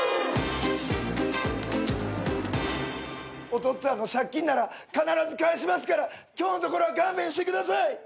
おとっつぁんの借金なら必ず返しますから今日のところは勘弁してください。